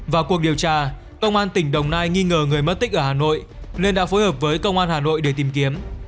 vào cuộc điều tra công an tỉnh đồng nai nghi ngờ người mất tích ở hà nội nên đã phối hợp với công an hà nội để tìm kiếm